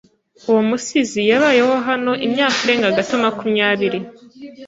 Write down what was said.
Uwo musizi yabayeho hano imyaka irenga gato makumyabiri.